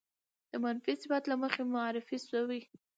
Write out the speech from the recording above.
د منفي صفت له مخې معرفې شوې